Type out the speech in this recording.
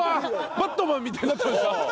バットマンみたいになってました？